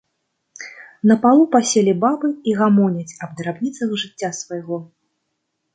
На палу паселі бабы і гамоняць аб драбніцах жыцця свайго.